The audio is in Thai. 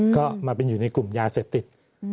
ก็มาเป็นอยู่ในกลุ่มยาเสพติด